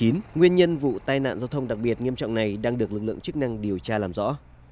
nguyên nhân vụ tai nạn giao thông đặc biệt nghiêm trọng này đang được lực lượng chức năng điều tra làm rõ